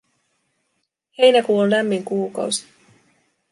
Heinäkuu on lämmin kuukausi.